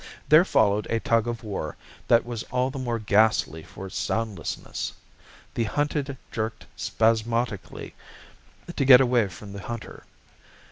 There followed a tug of war that was all the more ghastly for its soundlessness. The hunted jerked spasmodically to get away from the hunter.